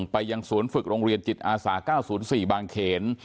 ไปยังศูนย์ฝึกโรงเรียนจิตอาสา๙๐๔บางเขน